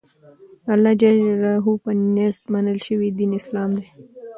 دالله ج په نزد منل شوى دين اسلام دى.